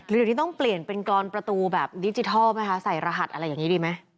เดี๋ยวนี้ต้องเปลี่ยนเป็นกรอนประตูแบบดิจิทัลไหมคะใส่รหัสอะไรอย่างนี้ดีไหม